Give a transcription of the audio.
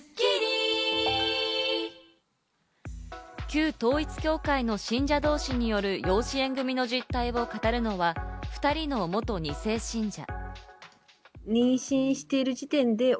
旧統一教会の信者同士による養子縁組の実態を語るのは、２人の元２世信者。